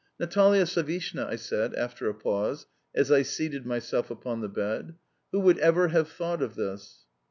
"Natalia Savishna," I said after a pause, as I seated myself upon the bed, "who would ever have thought of this?"